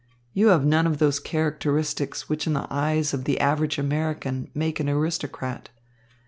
You have none of those characteristics which in the eyes of the average American make an aristocrat.